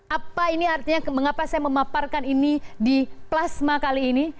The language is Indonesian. apa ini artinya mengapa saya memaparkan ini di plasma kali ini